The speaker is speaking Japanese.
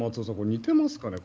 似てますかね？